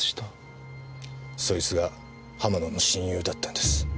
そいつが浜野の親友だったんです。